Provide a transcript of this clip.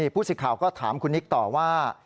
ผู้สิทธิ์ข่าวก็ถามคุณนิกต่อว่า